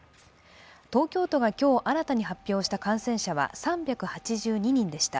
東京都が今日新たに発表した感染者は３８２人でした。